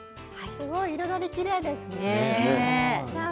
すごい彩り、きれいですね。